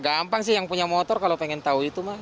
gampang sih yang punya motor kalau pengen tahu itu mah